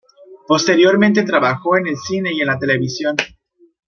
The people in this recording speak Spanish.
Posteriormente trabajó en el cine y en la televisión.